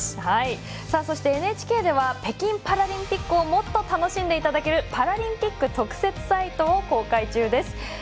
ＮＨＫでは北京パラリンピックをもっと楽しんでいただけるパラリンピック特設サイトを公開中です。